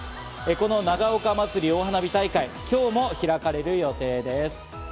この長岡まつり大花火大会、今日も開かれる予定です。